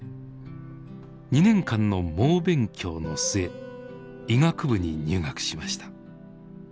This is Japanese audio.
２年間の猛勉強の末医学部に入学しました。